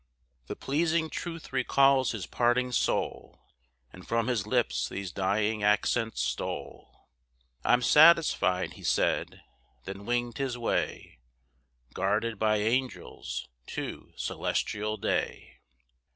The pleasing truth recalls his parting soul, And from his lips these dying accents stole: "I'm satisfied!" he said, then wing'd his way, Guarded by angels to celestial day.